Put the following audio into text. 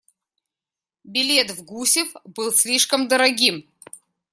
Билет в Гусев был слишком дорогим.